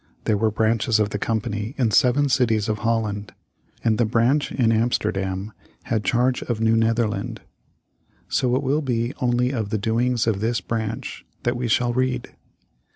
There were branches of the Company in seven cities of Holland, and the branch in Amsterdam had charge of New Netherland. So it will be only of the doings of this branch that we shall read.